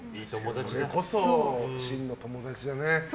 それこそ真の友達だね。